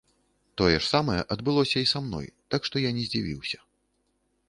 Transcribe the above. Тое ж самае адбылося і са мной, так што я не здзівіўся.